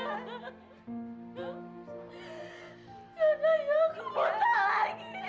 udah aku mau buka sendiri